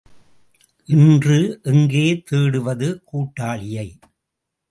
இன்று எங்கே தேடுவது கூட்டாளியை?